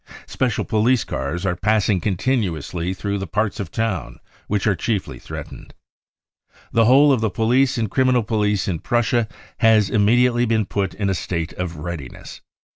Special police cars are passing continuously through the parts of the town which are chiefly threatened. The whole of the police 1 and criminal police in Prussia has immediately been put in a state of readiness.